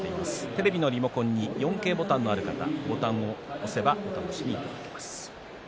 テレビのリモコンに４Ｋボタンがある方ボタンを押せばお楽しみいただけます。